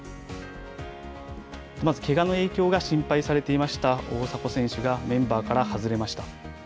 まず、けがの影響が心配されていました大迫選手がメンバーから外れました。